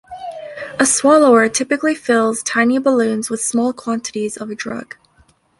A swallower typically fills tiny balloons with small quantities of a drug.